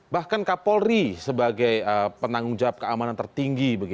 bahkan kapolri sebagai penanggung jawab keamanan tertinggi